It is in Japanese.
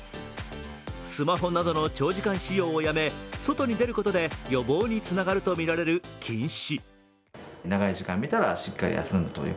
スマホなどの長時間使用をやめ、外に出ることで予防につながるとみられる近視。